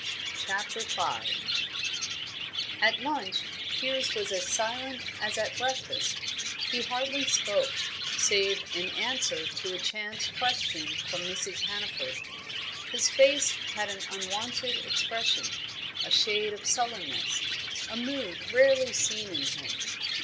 CHAPTER V At lunch Piers was as silent as at breakfast; he hardly spoke, save in answer to a chance question from Mrs. Hannaford. His face had an unwonted expression, a shade of sullenness, a mood rarely seen in him.